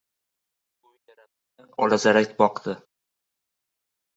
Uy tarafga olazarak boqdi.